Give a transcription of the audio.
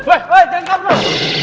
weh weh jangan kampur